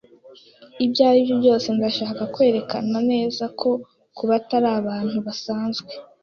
Ibyo ari byo byose ndashaka kwerekana neza ko kuba atari abantu basanzwe.